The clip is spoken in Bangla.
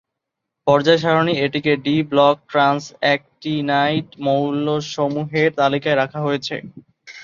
পর্যায় সারণী এটিকে ডি ব্লকের ট্রান্স-অ্যাক্টিনাইড মৌলসমূহের তালিকাতে রাখা হয়েছে।